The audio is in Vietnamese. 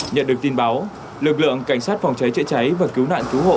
nhận được tin báo lực lượng cảnh sát phòng cháy chữa cháy và cứu nạn cứu hộ